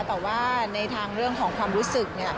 แต่ว่าในทางเรื่องของความรู้สึกเนี่ย